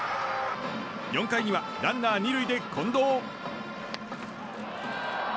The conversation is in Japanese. ４回にはランナー２塁で近藤。